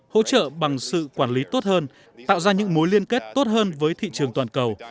hỗ trợ bằng sự quản lý tốt hơn tạo ra những mối liên kết tốt hơn với thị trường toàn cầu